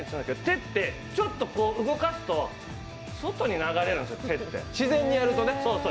手って、ちょっと動かすと外に流れるんですよ、手って。